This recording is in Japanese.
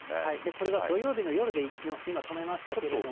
これが土曜日の夜で、今止めましたけれども。